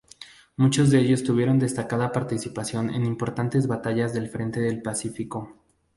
Muchos de ellos tuvieron destacada participación en importantes batallas del frente del Pacífico.